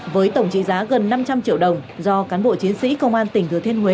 với tổng trị giá gần năm trăm linh triệu đồng do cán bộ chiến sĩ công an tỉnh thừa thiên huế